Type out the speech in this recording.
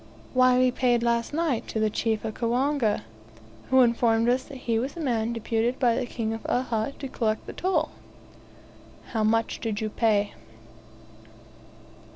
"Why, we paid last night to the chief of Kawanga, who informed us that he was the man deputed by the King of Uhha to collect the toll." "How much did you pay?"